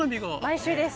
毎週です。